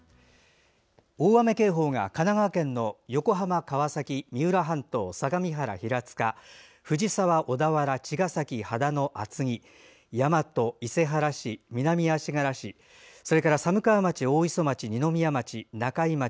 大雨警報が神奈川県の横浜、川崎、三浦半島相模原、平塚、藤沢、小田原茅ヶ崎、秦野、厚木大和、伊勢原市南足柄市、それから寒川町